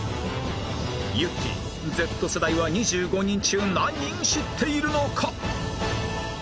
ゆってぃ Ｚ 世代は２５人中何人知っているのか？